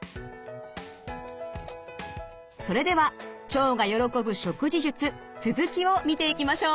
それでは腸が喜ぶ食事術続きを見ていきましょう。